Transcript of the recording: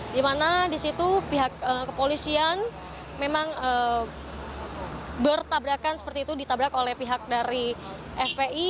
di mana di situ pihak kepolisian memang bertabrakan seperti itu ditabrak oleh pihak dari fpi